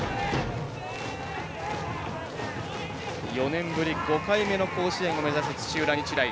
４年ぶり５回目の甲子園を目指す土浦日大。